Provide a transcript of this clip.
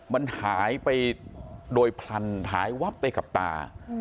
มันหายไปโดยพลันหายวับไปกับตา